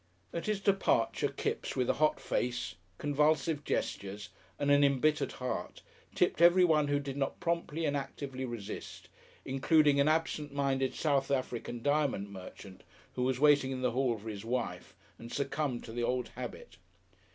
At his departure Kipps, with a hot face, convulsive gestures and an embittered heart, tipped everyone who did not promptly and actively resist, including an absent minded South African diamond merchant, who was waiting in the hall for his wife and succumbed to old habit.